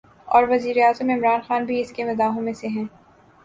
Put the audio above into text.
اور وزیراعظم عمران خان بھی اس کے مداحوں میں سے ہیں